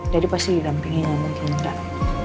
jadi pasti dirampingin yang mungkin enggak